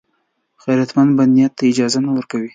غیرتمند بد نیت ته اجازه نه ورکوي